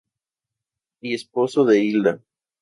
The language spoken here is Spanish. Y esposo de Hilda.